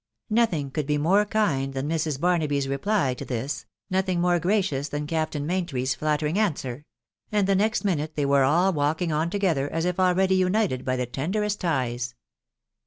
" Nothing could be more kind than Mrs. Barnaby s reply to this, nothing more gracious than Captain Maintry's flattering answer ; and the next minute they were all walking on to gether as if already united by the tenderest ties.